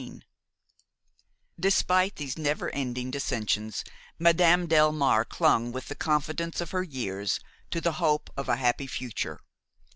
XV Despite these never ending dissensions, Madame Delmare clung with the confidence of her years to the hope of a happy future.